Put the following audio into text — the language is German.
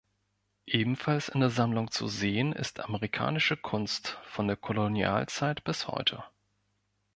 Ebenfalls in der Sammlung zu sehen ist amerikanische Kunst von der Kolonialzeit bis heute.